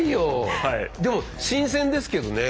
でも新鮮ですけどね。